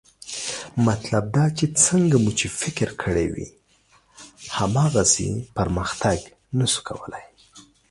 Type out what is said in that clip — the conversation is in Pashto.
مطلب دا چې څنګه مو چې فکر کړی وي، هماغسې پرمختګ نه شو کولی